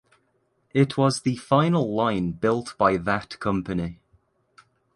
It was the final line built by that company.